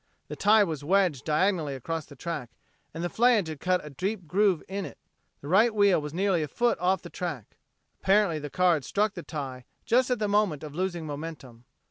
The tie was wedged diagonally across the track, and the flange had cut a deep groove in it. The right wheel was nearly a foot off the track. Apparently the car had struck the tie just at the moment of losing momentum.